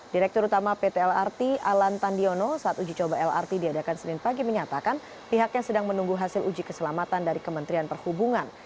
direktur utama pt lrt alan tandiono saat uji coba lrt diadakan senin pagi menyatakan pihaknya sedang menunggu hasil uji keselamatan dari kementerian perhubungan